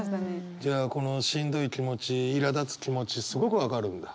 じゃあこのしんどい気持ちいらだつ気持ちすごく分かるんだ？